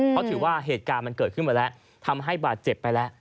เพราะถือว่าเหตุการณ์มันเกิดขึ้นมาแล้วทำให้บาดเจ็บไปแล้ว